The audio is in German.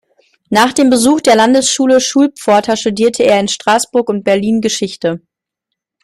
Nach dem Besuch der Landesschule Schulpforta studierte er in Straßburg und Berlin Geschichte.